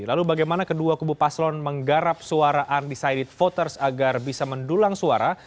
lalu bagaimana kedua kubu paslon menggarap suara undecided voters agar bisa mendulang suara